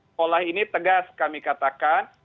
sekolah ini tegas kami katakan